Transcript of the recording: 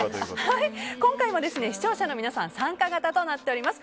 今回も視聴者の皆さん参加型となっております。